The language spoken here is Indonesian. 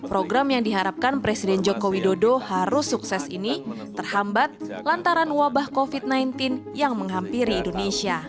program yang diharapkan presiden joko widodo harus sukses ini terhambat lantaran wabah covid sembilan belas yang menghampiri indonesia